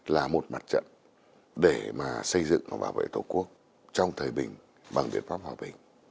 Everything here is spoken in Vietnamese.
là một mặt trận để mà xây dựng và bảo vệ tổ quốc trong thời bình bằng biện pháp hòa bình